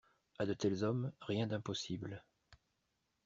A de tels hommes, rien d'impossible